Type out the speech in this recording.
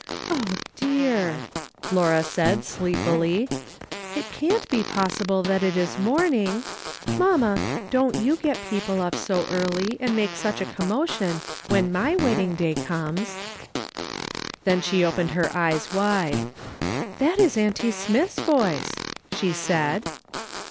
" Oh, dear !" Laura said, sleepily. " It can't be possible that it is morning ! Mamma, don't you get people up so early, and make such a commotion when my wedding day comes." Then she opened her eyes wide. " That is auntie Smith's voice," she said.